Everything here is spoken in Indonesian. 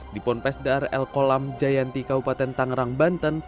di pompas dar el kolam jayanti kabupaten tangerang banten